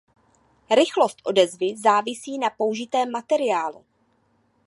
Rychlost odezvy závisí na použitém materiálu.